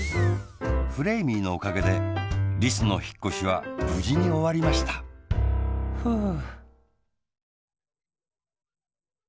フレーミーのおかけでリスのひっこしはぶじにおわりましたふう。